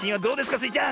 スイちゃん。